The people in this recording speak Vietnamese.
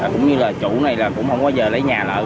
cũng như là chủ này là cũng không bao giờ lấy nhà lợi